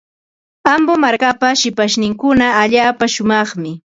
Ambo markapa shipashninkuna allaapa shumaqmi.